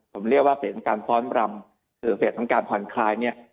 ผมเรียกว่าเฟสของการฟ้อนรำหรือเฟสของการผ่อนคลาย